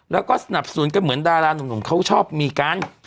แล้วก็สนับสนุนกันเหมือนดารานุ่มเขาชอบมีกัน